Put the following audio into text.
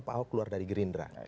pak ahok keluar dari gerindra